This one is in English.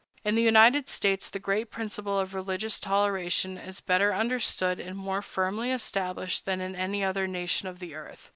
In the United States, the great principle of religious toleration is better understood and more firmly established than in any other nation of the earth.